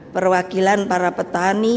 perwakilan para petani